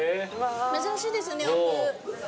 珍しいですねおふ。